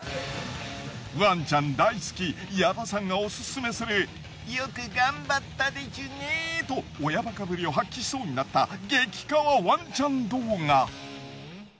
ワンちゃん大好き矢田さんがオススメするよく頑張ったでちゅねと親バカぶりを発揮しそうになった激かわワンちゃん動画。